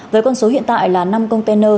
với con số hiện tại là năm container